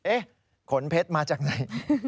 ขนเพชรมาจากไหน